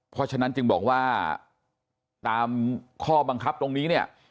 เพราะฉะนั้นจึงบอกว่าตามข้อบังคับตรงนี้เนี่ย